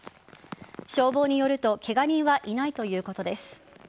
消防によるとケガ人はいないということです。